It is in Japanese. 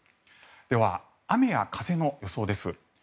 では、雨や風の予想です。